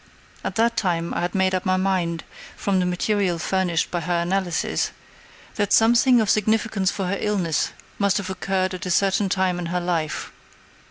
At that time I had made up my mind, from the material furnished by her analysis, that something of significance for her illness must have occurred at a certain time in her life.